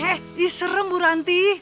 eh serem bu ranti